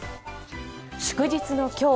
祝日の今日